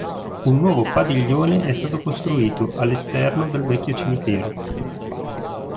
Un nuovo padiglione è stato costruito all'esterno del vecchio cimitero.